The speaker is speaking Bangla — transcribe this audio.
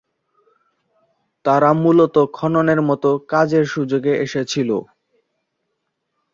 তারা মূলত খননের মতো কাজের সুযোগে এসেছিল।